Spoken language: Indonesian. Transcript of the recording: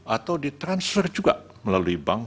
atau ditransfer juga melalui bank